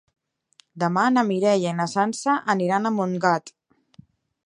Demà na Mireia i na Sança aniran a Montgat.